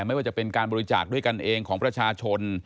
ไม่ว่าจะเป็นการบริจาคด้วยกันเองของประชาชน